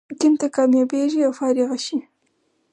طب ته کامیابېږي او فارغه شي.